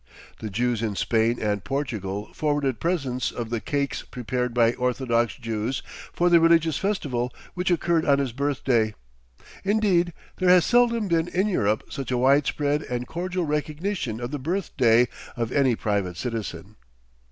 The Jews in Spain and Portugal forwarded presents of the cakes prepared by orthodox Jews for the religious festival which occurred on his birthday. Indeed, there has seldom been in Europe such a widespread and cordial recognition of the birthday of any private citizen.